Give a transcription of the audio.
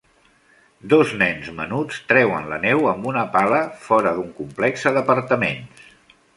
Dos nens menuts treuen la neu amb una pala fora d'un complexe d'apartaments.